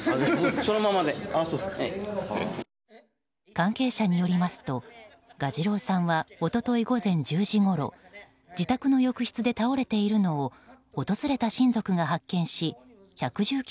関係者によりますと蛾次郎さんは一昨日午前１０時ごろ自宅の浴室で倒れているのを訪れた親族が発見し１１９